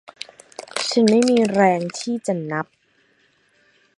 ฉันไม่มีแรงที่จะนับ